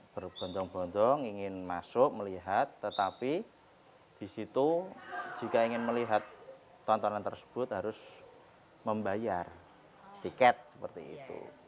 berbontong bontong ingin masuk melihat tetapi di situ jika ingin melihat tontonan tersebut harus membayar tiket seperti itu